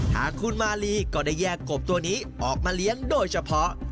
ทางคุณมาลีก็ได้แยกกบตัวนี้ออกมาเลี้ยงโดยเฉพาะ